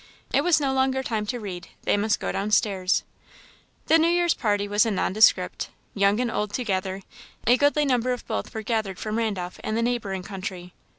It was no longer time to read; they must go downstairs. The New Year's party was a nondescript young and old together; a goodly number of both were gathered from Randolph and the neighbouring country.